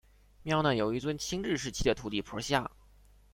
庙内有一尊清治时期的土地婆像。